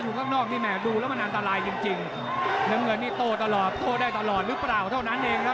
ข้างนอกนี่แม่ดูแล้วมันอันตรายจริงจริงน้ำเงินนี่โต้ตลอดโต้ได้ตลอดหรือเปล่าเท่านั้นเองครับ